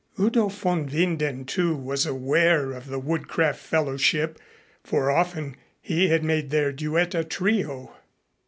Udo von Winden, too, was aware of the woodcraft fellowship, for often he had made their duet a trio.